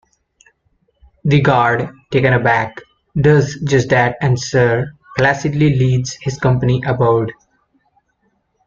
The guard, taken aback, does just that and Sir placidly leads his company aboard.